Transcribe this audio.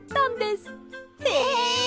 へえ！